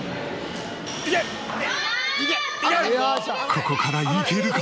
ここからいけるか！？